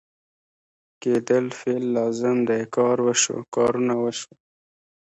کېدل فعل لازم دی کار وشو ، کارونه وشول